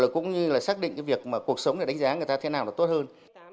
cũng như là xác định việc cuộc sống để đánh giá người ta thế nào là tốt hơn